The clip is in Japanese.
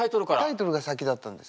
タイトルが先だったんです。